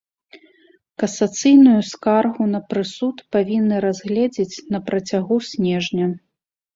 Касацыйную скаргу на прысуд павінны разгледзець на працягу снежня.